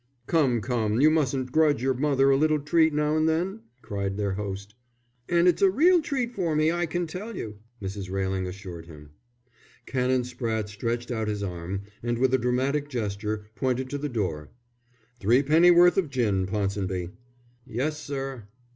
"Come, come, you mustn't grudge your mother a little treat now and then," cried their host. "And it's a real treat for me, I can tell you," Mrs. Railing assured him. Canon Spratte stretched out his arm, and with a dramatic gesture pointed to the door. "Threepennyworth of gin, Ponsonby." "Yes, sir."